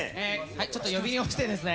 ちょっと呼び鈴を押してですね。